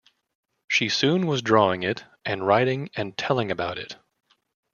She soon was drawing it, and writing and telling about it.